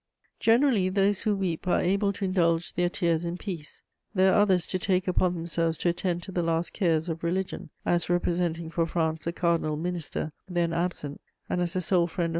* Generally those who weep are able to indulge their tears in peace; there are others to take upon themselves to attend to the last cares of religion: as representing for France the Cardinal Minister, then absent, and as the sole friend of M.